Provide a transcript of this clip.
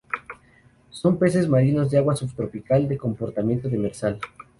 Son peces marinos de agua subtropical, de comportamiento demersal.